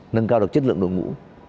nâng cao được chất lượng đội ngũ